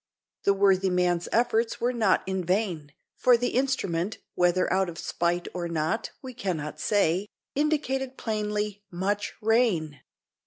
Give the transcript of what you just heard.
The worthy man's efforts were not in vain, for the instrument, whether out of spite or not, we cannot say, indicated plainly "much rain."